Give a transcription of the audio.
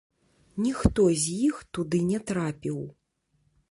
Ніхто з іх туды не трапіў.